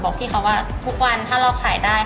พี่เขาว่าทุกวันถ้าเราขายได้